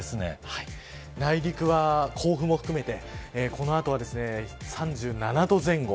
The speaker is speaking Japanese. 内陸は、甲府を含めてこの後は３７度前後。